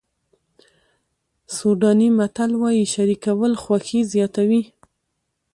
سوډاني متل وایي شریکول خوښي زیاتوي.